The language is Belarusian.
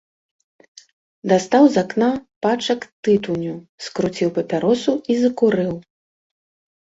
Дастаў з акна пачак тытуню, скруціў папяросу і закурыў.